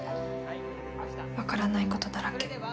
分からないことだらけ。